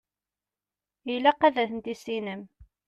Ilaq ad ten-tissinem.